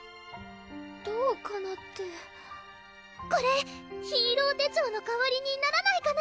どうかなってこれヒーロー手帳の代わりにならないかな？